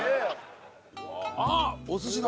あっお寿司だ！